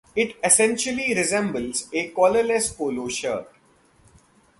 It essentially resembles a collarless polo shirt.